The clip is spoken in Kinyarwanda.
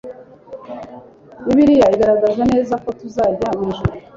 Bibiliya igaragaza neza ko tuzajya mu ijuru